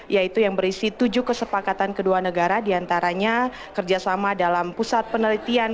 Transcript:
yaitu yang berisi tujuh kesepakatan kedua negara diantaranya kerjasama dalam pusat penelitian